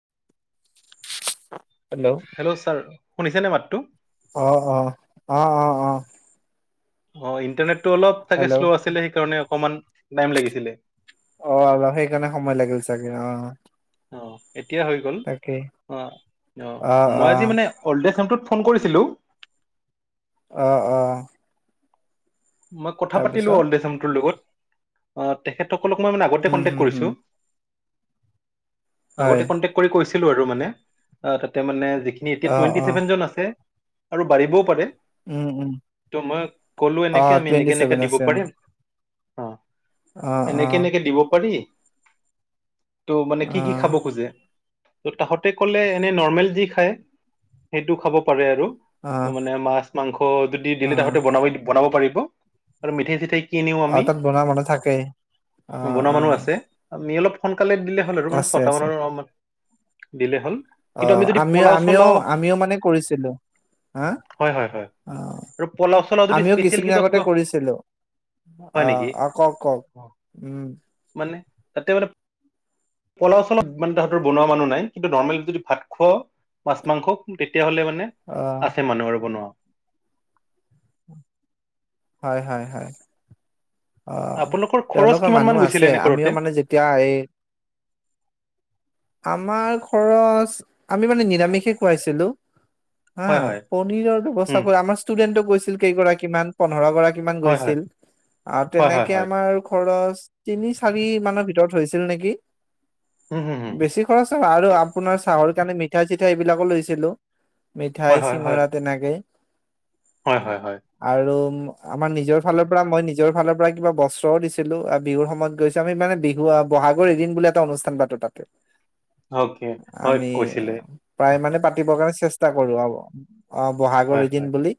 [unintelligible] Hello sir. শুনিছেনেে মাতো। অহ, অ, অহ, অ, অ। অ ইণ্টাৰনেট। অলপ হেল্ল' চাগে্ল আছিলে সেইকাৰণে। অকমান টাইম লাগিছিলে অ অল সেইকাৰণে সময় লাগিল চাগে অ অ এতিয়া হৈ গ'ল তাকে অ', অ', মই আজি মানে অল্ডেটোত ফোন কৰিছিলোঁ। আহ আহ মই কথা পাতিলো অলডেচাম তৰ লগত। অ তেখেতক আগতে উম কনটেক হম হম কৰিছো [unintelligible] হয় আগতে কনটেক্ কৰি, কৈছিল [unintelligible] মানে অ, তাতে মানে সেইখিনি, এতিয়া অ টুৱেন্টি অ চছেভেন জন আছে। আৰু বাঢ়িবও পাৰে। উম উম তোমাক ক'লো অ এনেকে টুৱেণ্টি এনেকে এনেকে চছেভেন দিব আছে, অ। পাৰিম অ অ অ এনেকে, এনেকে দিব পাৰি। তো, মানে অ কি, কি খাব খোজে? ত' তাহতে কলে, এনে নৰ্মেল যি খায়, সেইটো খাব পাৰে আৰু। অ মানে মাছ মাংস যদি অ দিলে তাহতে বনাব বনাব পাৰিব আৰু মিঠাই চিঠাই কি কি নিও অ আমি, তাত বনোৱা মানুহ থাকেই অ বনোৱা অ মানুহ আছে, আমি অলপ সোনকালে দিলে হ'ল আৰু মানে আছে ছটা আছে মানৰ অলমানত। দিলে হ'ল অ, কিন্তু আমি যদি আমিও, পলাও আমিও, চলাও আমিও মানে কৰিছিলো, হা, হয় হয় হয় অ, আৰু পলাও চলাও যদি আমিও স্পেচিয়েল কিছুদিন কিবা আগতে কিবা কৰিছিলো হয় অ, নেকি অ, কওক, কওক, উম। তাতে [unintelligible] পলাও চলাও, তাহতৰ বনোৱা মানুহ নাই, কিন্তু নৰ্মেল যদি ভাত খোৱা, মাছ মাংস তেতিয়া তেতিয় হলে মানে অ আছে মানুহ আৰু বনোৱা হয় হয় হয় অ আপোনালোকৰ খৰচ তেওঁলোকৰ কিমান মান মানুহ গৈছিলে আছে এনে আমিও কৰোতে মানে যেতিয়া এই আমাৰ খৰচ আমি মানে নিৰামিষে খুৱাইছিলো হা হয় হয় পনীৰৰ ব্যৱস্থা উম কৰা। আমাৰ ষ্টুডেন্টও গৈছে। কেইগৰাকী মান, পোন্ধৰগৰাকী কিমান হয় হয় গৈছিল? আৰু হয় হয় তেনেকে হয় আমাৰ খৰচ তিনি চাৰি মানৰ ভিতৰত হৈছিল নেকি! উম হম হম বেছি খৰচ আৰু আপোনাৰ চাহৰ কাৰণে মিঠা-চিঠা এইবিলাকো লৈছিলো। মিঠাই চিঙৰা তেনেকেই। আৰু আমাৰ নিজৰ ফালৰ পৰা মই নি নিজৰ ফালৰ পৰা কিবা বস্ত্ৰও দিছিলোঁ আ বিহুৰ সময়ত গৈছো আমি মানে বিহু আহ বহাগৰ এদিন বুলি এটা অনুষ্ঠান পাতো তাতে। অকে, হয় আমি কৈছিলে। প্ৰায় মানে পাতিবৰ কাৰণে চেষ্টা কৰো [unintelligible] অ' বহাগৰ এদিন বুলি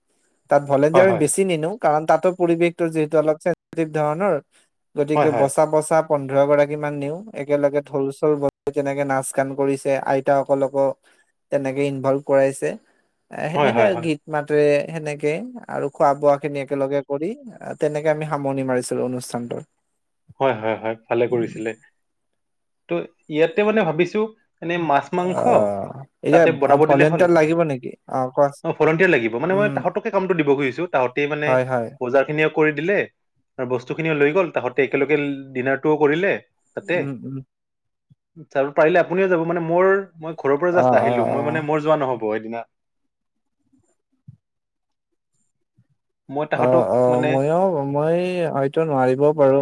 তাত ভলেণ্টিয়াৰ আমি বেছি নিনো। কাৰণ তাতো পৰিৱেশটো যে টো অলপ চেনচিটিভ ধৰণৰ গতিকে বচা বচা পোন্ধৰ গৰাকী মান নিও একেলগে ঢোল চোল [unintelligible] তেনেকে নাচ গান কৰিছে, আইতাসকলকো তেনেকে ইনভলভ কৰাইছে। অ, [unintelligible] গীত মাতেৰে সেনেকে আৰু খোৱা বোৱা খিনি একেলগে কৰি তেনেকে আমি সামৰণি মাৰিছিলো অনুষ্ঠানটোৰ। হয়, হয়, হয়, ভালে কৰিছিলে। ত' ইয়াতে মানে ভাবিছো এনে মাছ, অ মাংস এতিয়া তাতে বনাব দিলে হ'ল। ভলেণ্টিয়াৰ লাগিব নেকি অ কোৱা অ' ভলণ্টিয়াৰ লাগিব মানে মই উম তাহঁতকে কামটো দিব খুজিছো, তাহঁতে মানে হয় হয় বজাৰ খিনি কৰি দিলে আৰু বস্তুখিনিও লৈ গল তাহঁত তে একেলগেল ডিনাৰটোও কৰিলে। তাতে। উম, উম। [unintelligible] পাৰিলে আপুনিও যাব মানে মোৰ মই ঘৰৰ পৰা অ জাষ্ট অ আহিলো। মই মানে মোৰ যোৱা নহ'ব। [unintelligible] অ', তাহাঁতক অ'। মানে ময়ো - মই হয়তো নোৱাৰিবও পাৰো।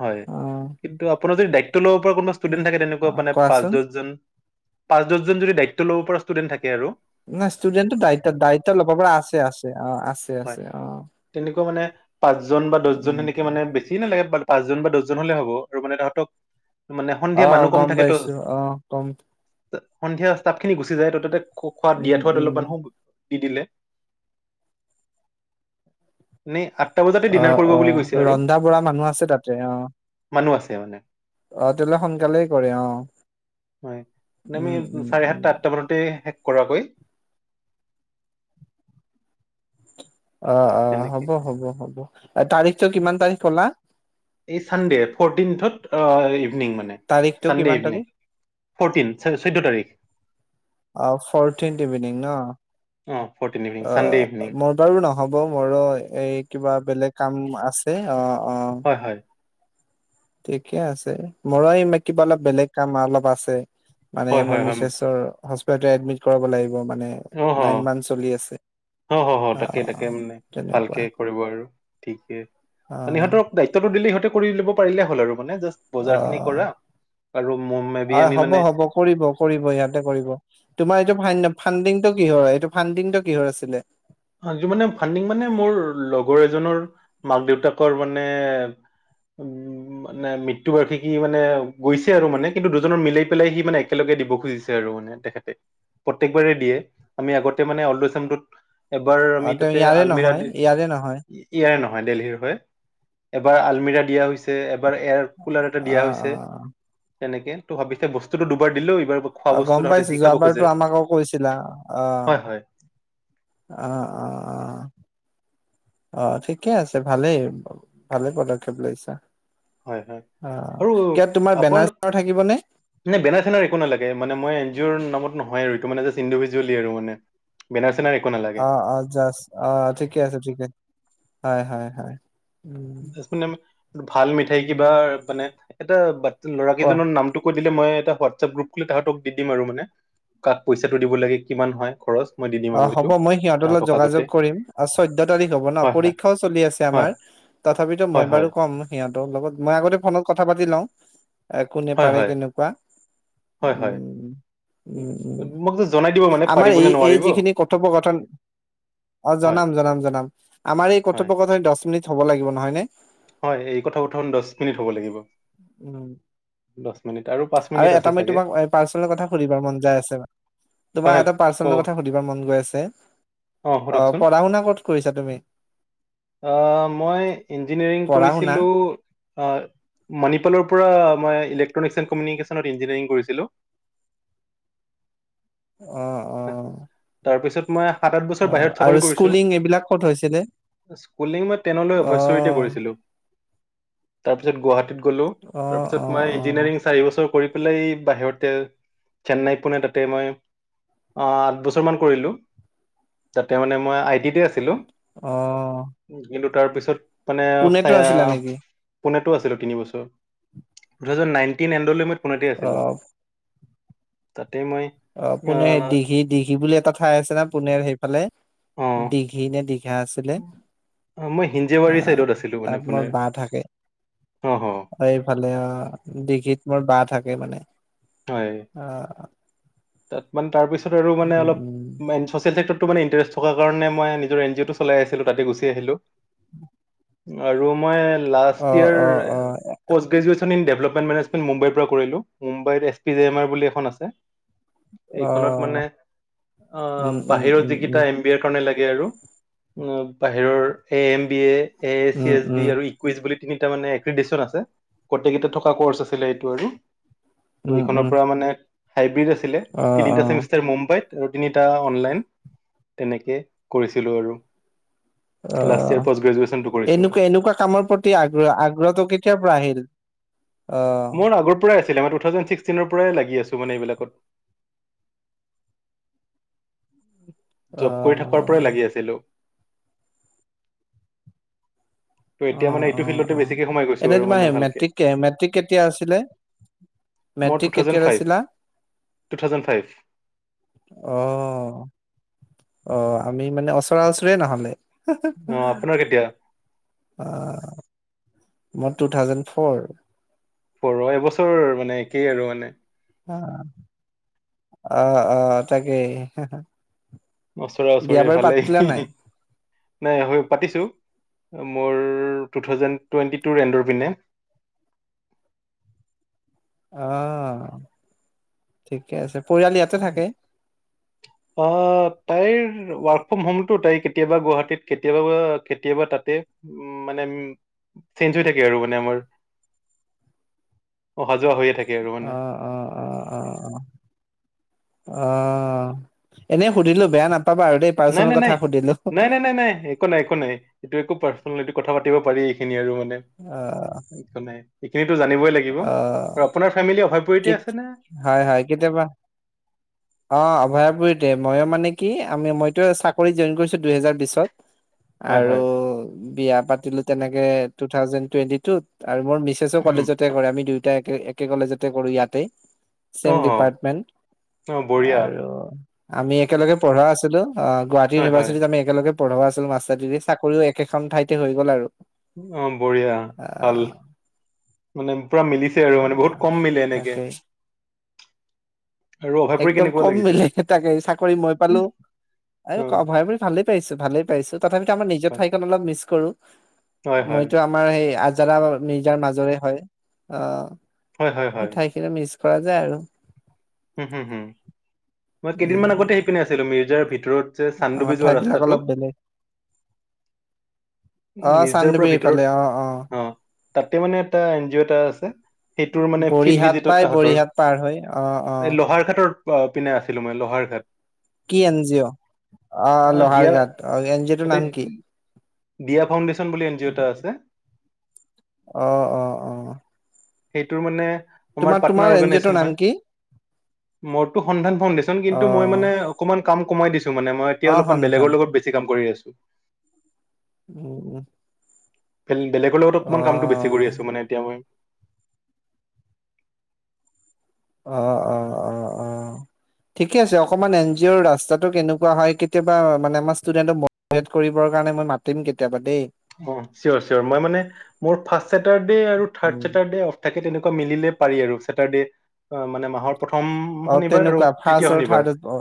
হয় অ'। কিন্তু আপোনাৰ যদি [unintelligible] [unintelligible] কোনোবা ষ্টুডেণ্ট থাকে অ তেনেকুৱা মানে পাঁচ কোৱাচোন দচজন পাঁচ, দচজন যদি দায়িত্ব ল'ব পৰা ষ্টুডেণ্ট থাকে আৰু নাই ষ্টুডেণ্টটো দায়িত্ব-দায়িত্ব ল'ব পৰা আছে, আছে। অ আছে হয়। আছে অ তেনেকুৱা মানে পাঁচ জন বা দচজন উম সেনেকে মানে বেছি নালাগে [unintelligible] পাঁচজন বা দহজন হলে হ'ব, আৰু মানে তাহতক আহ', গম পাইছো। আহ', গম সন্ধিয়া ষ্টাপ খিনি গুচি যায় ত তাতে খোৱাদ উম দিয়াত থাত উম অলপমান হ কি দিলে? নে আ', অ অ ৰন্ধা বঢ়া মানুহ আছে তাতে অ মানুহ আছে মানে। অহ', তেতিয়াহ'লে সোনকালেই কৰে। অহ', হয় মানে আমি উম', - উম', চাৰে - সাতটা উম', আঠটা মানতে শেষ কৰাকৈ। অ অ তেনেকে হ'ব হ'ব হ'ব তাৰিখটো কিমান তাৰিখ ক'লা এই চানডে ফৰটিনথত ইভিনিং মানে তাৰিখটো চানডে কিমান ইভিনিং তাৰিখ ফৰটিন চৈধ্য তাৰিখ অহ', ফৌৰটিন ইভিনং ন। অহ', অ ফৰটিন ইভিনিং চানডে ইভিনিং মোৰ বাৰু নহব মোৰো এই কিবা বেলেগ কাম আছে অহ',। হয় হয় ঠিকে আছে মোৰো কিবা অলপ বেলেগ কাম অলপ আছে। মানে হয় মই হয় হয় মিছেছৰ। হস্পি এডমিট কৰাব লাগিব মানে অহ', - নাইন অহ', মান্থ চলি আছে - অহ', হ - হ - হ অ তাকে- তাকে মানে তেনেকুৱা ভালকে কৰিব আৰু ঠিকে অ মানে সহঁতক দায়িত্বটো দিলে সিহঁতে কৰি লব পাৰিলে হ'ল আৰু। মানে জাষ্ট বজাৰ খিনি অহ', কৰা আৰু মে বি - অহ', আমি হ'ব মানে - হ'ব কৰিব - কৰিব ইয়াতে কৰিব তোমাৰ এইটোয়া ফাইন ফাণ্ডিংটো কিহৰ হয় এইটো ফাণ্ডিংটো কিহৰ আছিলে আজিও মানে ফাডিং মানে মোৰ লগৰ এজনৰ মাক দেউতাকৰ মানে উ মানে মৃত্যু বাৰ্ষিকী মানে গৈছে আৰু মানে কিন্তু দুজনৰ মিলাই পেলাই সি মানে একেলগে দিব খুজিছে আৰু মানে তেখেতে প্ৰত্যেকবাৰে দিয়ে আমি আগতে মানে অলত এবাৰ অ আমি তেওঁ তাতে ইয়াৰে আলমিৰা নহয় নহয় ইয়াৰে, নহয় দেলহিৰ হয়। এবাৰ আলমিৰা দিয়া হৈছে এব বাৰ এয়াৰ কুলাৰ এটা অ দিয়া অ হৈছে। তেনেকে তো ভাবিছে বস্তুতো দুবাৰ দিলো অহ', গম পাইছো যোৱাবাৰতো আমাকো কৈছিলা অহ', হয় হয় অহ', - অহ', - অহ', - অহ', ঠিকে আছে ভালেই- ভালেই পদক্ষেপ লৈছা। হয়- হয় অ', আৰু কিয় তোমাৰ বেনাৰ আপোনালোক চেনাৰ থাকিবনে? [unintelligible] জোনে বেনাৰ চেনাৰ একো নালাগে মানে মই এন জিউৰ নামত নহয় আৰুটো মানে যে ইণ্ডিভিজুৱেলি আৰু মানে বেনাৰ চেনাৰ একো নালাগে আহ আহ যাস আহ ঠিকে আছে ঠিকেছে হয়- হয়- হয়। উম, মানে ভাল মিঠাই কিবা উম মানে। এটা লৰা কোৱা কেইজনৰ নামটো কৈ দিলে মই এটা হোৱাটছএপ গ্ৰুপ খুলি তাহাঁতক দি দিম আৰু মানে কাক পইচাটো দিব লাগে কিমান হয় খৰচ? মই দি দিম অ আৰু সেইটো হ'ব মই সিহঁতৰ লগ তাহাঁতক যোগাযোগ আগতে কৰিম চৈধ্যয় তাৰিখ হ'ব ন হয় হয় পৰীক্ষাও চলি আছে হয় আমাৰ তথাপিতো হয় মই বাৰু হয় ক'ম সিহঁতৰ লগত মই আগতে ফণত কথা পাতি লওঁ। কোনে হয় পাৰে হয় কেনেকুৱা হয় হয় উম', - উম', - উম', মোক যে জনাই দিব মানে আমাৰ পাৰিব নে এই। এই নোৱাৰিব যিখিনি কথপকথন অ হয় জনাম জনাম জনাম আমাৰ এই হয় কৰথপ্যকথন দহ মিনিট থব লাগিব নহয় নে? হয় এই কথা কথা দহ মিনিট হ'ব লাগিব উম দহ মিনিট পাঁচ আৰু মিনিট আছে এটা মই চাগে তোমাক পাৰ্চনেল কথা সুধিবা মন যাই আছে হয় তোমাক হয় এটা ক পাৰ্চনেল কথা সুধিব মন। গৈ আছে। অ পঢ়া শুনা কত কৰিছা তুমি? মই ইঞ্জিনিয়াৰিং পঢ়া শুনা কৰিছিলোঁ মণিপ ফালৰপৰা মই ইলেকট্ৰনিক্স এন কমিউনিকেশ্যনত ইঞ্জিনিয়াৰিং কৰিছিলো অ অ মই সাত আঠ বছৰ অ বাহিৰত চাকৰি আৰু কৰিছোঁ, স্কুলিং এইবিলাক ক'ত হৈছিলে স্কুলিং মই টেনলৈ অ অভয়সৰিতে কৰিছিলোঁ। তাৰপিছত গুৱাহাটী গলো অ তাৰ পিছত অ অ ইঞ্জিনিয়াৰিং চাৰি বছৰ পেলাই বাহিৰতে চেন্নাই পোনে তাতে মই আঠ বছৰমান কৰিলোঁ যাতে মানে মই আইটিতে আছিলোঁ অ তাৰ পিছত। মানে পুনেতো চয়া আছিলা নেকি পুনেটো আছিলো তিনি বছৰ টু থাউজেণ্ড নাইনণ্টিন [unintelligible] ফোনতেই অ আছিলোঁ তাতে মই অ কোনে আহ, দিঘিত দিখি বোলে এটা ঠাই আছে না পুনেৰ সেই ফালে অ দীঘি নে দীঘ সেয়া আছিলে অ মই হিঞ্জেবাৰী আহ চাইডত আছিলো মানে তাত মোৰ আপোনাৰ বা থাকে অ হ এইফালে আহ দিঘিত মোৰ বা থা থাকে মানে হয় আহ তাত মান তাৰপিছত আৰু মানে অলপ যেন চচিয়েল্ট [unintelligible] টো মানে ইণ্টাৰেষ্ট থকাৰ কাৰণে মই নিজৰ এন জি অ'টো চলাই আছিলো তাতে গুচি আহিলো উ আৰু মই লাষ্ট ইয়াৰ অ', অ', post graduation in development management মুম্বাইৰ পৰা কৰিলো মুম্বাইত এছ পিজেমাৰ বুলি এখন আছে এইখনত মানে অ', অ উম, উম, বাহিৰত উম, উম, যিকেইটা এম বি এৰ কাৰণে লাগ তে আৰু বাহিৰৰ এ M B A A C um, S B উম। আৰু ইকুৱেচ বুলি তিনিটা মানে এক্ৰিদিচন আছে গোটেই কেইটা থকাৰ ক্ৰচ আছিলে এইটো আৰু ত উম, উম, এইখনৰ পৰা মানে [unintelligible] ছিলে অ', তিনিটা অ', চেমিষ্টাৰ মুম্বাইত আৰু তিনিটা অনলাইন তেনেকে কৰিছিলো আৰু। অ লাষ্ট ইয়াৰ পষ্ট গ্ৰেজুৱেচনটো কৰিছো এনেকুৱা এনেকুৱা কামৰ প্ৰতি আগ্ৰহ আগ্ৰহটো কেতিয়াৰ পৰা আহিল? অ', মোৰ আগৰ পৰাই আছ আছিলে মই টু থাউজেণ্ড ছিক্সটিনৰ পৰাই লাগি আছো মানে এইবিলাকত। জব কৰি থকাৰ অ', পৰাই লাগি আছিলো। ত' এতিয়া মানে অহ এইটো অ ফিল্ডতে অ বেছিকে সোমাই গৈছো এনে আৰু তোমাৰ মানে ভালকে মেট্ৰিক কে মেট্ৰিক কেতিয়া আছিলে? মোৰ মেট্ৰিক টু থাউজেণ্ড কেতিয়াৰ ফাইভ আছিলা? টু থাউজেণ্ড ফাইভ অহ। অ আমি মানে ওচৰা ওচৰিয়ে নহ'লে। অ, আপোনাৰ কেতিয়া? অ মই টু থাউজেণ্ড ফৰ। পৰ এবছৰ মানে একেই আৰু মানে। না অ অ অ তাকে ওচৰা, ওচৰি ভালেই। নাই? নাই হয়, পাতিছোঁ। মোৰ টু থাউজেণ্ড টুৱেণ্টি টুৰ এণ্ডৰ পিনে। অ ঠিকে আছে। পৰিয়াল ইয়াতে উ থাকে? অহ তাইৰ ৱাৰ্কফম হোমত তাই কেতিয়াবা গুৱাহাটীত কেতিয়াবা হোৱাত কেতিয়াবা তাতে মানে চেঞ্জ হৈ থাকে আৰু মানে আমাৰ। অ অ অ অ অ অ অ, এনেই সুধিলো বেয়া নাপ নাই নাই নাই নাই নাই নাই নাই একো নাই একো নাই। টোইএকো পাৰ্চনেল এইটো কথা পাতি পাৰি এইখিনি আৰু মান অহ [unintelligible] একো নাই ঠিক। তো জানিবই লাগিব। অহ অ আপোনাৰ ফেমেলি অভাৱ কিত হয় হয় কেতিয়াবা অ, অভয়াপুৰীতে, মই মানে কি আমি মইতো চাকৰি জইন কৰিছো দুহেজাৰ বিশত। হয় আৰু হয় বিয়াত পাতিলো তেনেকে, টো থাউজেণ্ড টুৱেন্টি টো, আৰু মোৰ মিছেছো উম, কলেজতে কৰে, আমি দুইও দুইটা একে, একে কলেজতে কৰোঁ, ইয়াতে অ চেম ডিপাৰ্টমেণ্ট। অ বঢ়িয়া আৰু আমি একেলগে পঢ়া আছিলো। অ, গুৱাহাটী হয় হয় ইউনিভাৰ্চিটি‌ লৈকে আমি একেলগে পঢ়াব আছিল মাষ্টাৰ দিদি চাকৰিও একেখন ঠাইতে হৈ গ'ল আৰু। অ বঢ়িয়া ভাল আহ মানে পুৰা মিলিছে আৰু মানে বহুত কম মিলে এনেকে [unintelligible] আৰু অভয়পুৰী একদম কেনেকুৱা কম লাগিছে মিলে চাকৰি মই পালোঁ অ [unintelligible] ভালেই পাইছোঁ তথাপিতো আমাৰ নিজ হয় ঠাইখন অলপ মিছো হয় হয় মইতো আমাৰ সেই আজি যাৰা নিজাৰ মাজৰে হয় অ হয় সেই ঠাইখিনৰা মিচ পৰা যায় আৰু উম, হুম, হুম, মই কেইদিনমান উম আগতে আহি পিনে আছিলো মিৰ্জাৰ ভিতৰত যে চানডুবি আমাৰ যোৱা ঠাই বিলাক ৰাস্তাটো অলপ বেলেগ, আহ মিৰ্জাৰ চান্দ পৰা বি ভিতৰত এইফালে অ', অ। তাতে মানে এটা এন জি অ' এটা আছে সেইটোৰ মানে বৰিহাত পাই বৰিহাত পাৰ হৈ অ অ এ লোহাৰ ঘাটৰ পিনে আছিলো মই লোহাৰ ঘাট কি এন জি অ' অ লোহাৰ ঘাট অ এন জি অ' টোৰ তাতে নাম কি দিয়া ফাউণ্ডেশ্যন বুলি এন জি অ' এটা আছে অ, অ, অ। সেইটোৰ মানে আমাৰ তোমাৰ তোমাৰ পাটনাৰ এন জি এজন অ' আছে টোৰ নাম কি নহই [unintelligible] অ কিন্তু মই মানে অকমান কাম কমাই দিছোঁ মানে এতিয়া অ অলপমান সন্ধান বেলেগৰ লগত বেচি কাম কৰি আছোঁ [inaudible] উ বেলেগৰ লগত অকণমান কামটো বেছি কৰি আছো মানে এতিয়া মই অ অ অ অ ঠিকে আছে অকমান এন জি অ'ৰ ৰাস্তাতটো কেনেকুৱা হয় কেতিয়াবা মানে আমাৰ ষ্টুডেন্টক মিভেট কৰিবৰ কাৰণে মই মাতিম কেতিয়াবা দেই অ চিয়'ৰ চিয়'ৰ মই মানে মোৰ ফাৰ্ষ্ট চছেটাৰডে আৰু থাৰ্ড উম চেটাৰডে অফ থাকে তেনেকুৱা মিলে পাৰি আৰু চেটাৰডে অ মানে মাহৰ প্ৰথম অ শনিবাৰ আৰু তেনেকুৱা তৃতীয় ফাৰ্ষ আৰু শনিবাৰ থাৰ্ডত প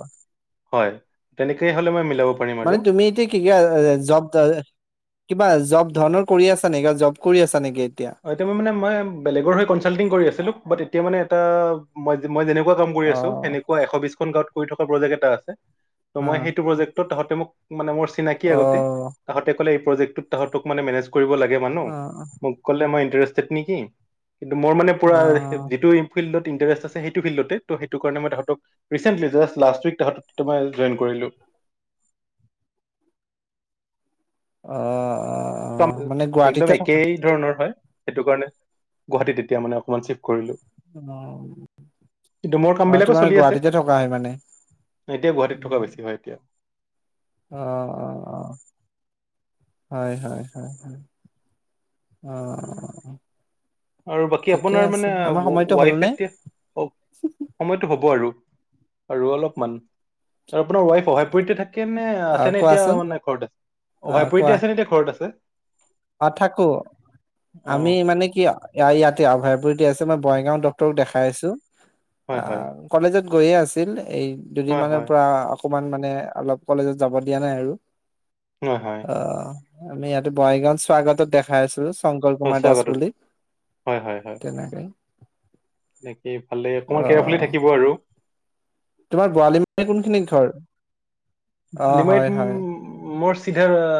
হয় তেনেকেই হ'লে মই মিলাব পাৰিম আৰু মানে তুমি এতিয়া কি-কি জব কিবা জব ধৰণৰ কৰি আছা নেকি জব কৰি আছা নেকি এতিয়া হয় মই মানে ম বেলেগৰ হৈ কি কনঞ্চাতিন কৰি আছিলো তেতিয়া মানে এটা মই মই যেনেকুৱা কাম কৰি অ আছোঁ সেনেকোৱা এ বিশখন গাঁৱত কৰি থকা প্ৰজেক্ট এটা আছে। ত অ মই সেইটো প্ৰজেক্টত তত মোক মানে মোৰ চিনাকি আগতে অ তাহঁতে ক'লে- প্ৰযেকটোত তাহাতক মানে মেনেজ- কৰিব লাগে মানো অ মোক মই ইটাৰেষ্টড, নেকি? কিন্তু মোৰ মানে পুৰা অ যিটো ফিল্ডত ইনষ্টাৰেচেট আছে সেইটো কাৰণেই তাহক ৰিচেন্টলি জাষ্ট লাষ্ট উইক মই জইন কৰিলো। অ', একদম, অ মানে একদম গুৱাহাটীতে থকা একেই ধৰণৰ হয়। সেইটো কাৰণে গুৱাহাটীত এতিয়া মানে অকমান চিফ্ট কৰিলো। কিন্তু মোৰ অ অ কাম বিলাকো তোমাৰ চলি আছে গুৱাহাটীতে থকা হয় মানে এতিয়া গুৱাহাটীত থকা উম বেছি হয়, এতিয়া অ', অ', অ', হয়, হয়, হয়। অ', আৰু বাকী ঠিকে আপোনাৰ আছে মানে আমাৰ সময়টো ৱাইফ হ'লনে এতিয়া সময়তো হ'ব আৰু আৰু অলপমান আৰু আপোনাৰ ৱাইফ অভায়াপুৰীতে থাকে- নে অ আছে নে এতিয়া কোৱাচোন মানে ঘৰত অ অভয়াপুৰীতে কোৱা আছে এতিয়া আছে নে এতিয়া ঘৰত আছে। অ', থাকো। আমি অ', মানে কি ইয়াতে অভয়পুৰীত- থিকে আছে মই বঙাইগাঁও ডাক্তৰক দেখাই আছো। হয়, হয়, অ', কলেজত- গৈয়ে আছিল। এই হয়, দুদিনমানৰ হয়, পৰা- অকমান মানে অলপ কলেজত যাব দিয়া নাই আৰু হয়, হয়, অ', আমি ইয়াতে বঙাইগাঁৱত [inaudible] স্বাগতত দেখাই আছো। শংকৰ হয়, কুমাৰ দাস স্বাগতত। বুলি তেনেকে এনেকে এইফালে অকণমান অ কেয়াৰফুলি থাকিব আৰু তোমাৰ বৰালি মানে কোনখিনি ঘৰ অ' হয় ভলিমাৰিত হয়। উ'ম [inaudible] চিধাৰ-